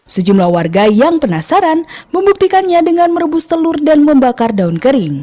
sejumlah warga yang penasaran membuktikannya dengan merebus telur dan membakar daun kering